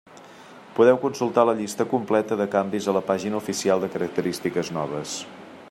Podeu consultar la llista completa de canvis a la pàgina oficial de característiques noves.